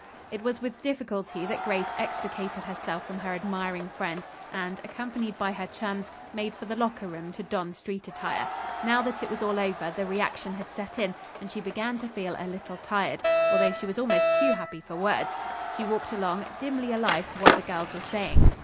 It was with difficulty that Grace extricated herself from her admiring friends and, accompanied by her chums, made for the locker room to don street attire. Now that it was all over the reaction had set in, and she began to feel a little tired, although she was almost too happy for words. She walked along, dimly alive to what the girls were saying.